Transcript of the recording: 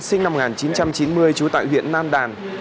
sinh năm một nghìn chín trăm chín mươi trú tại huyện nam đàn